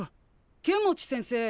剣持先生。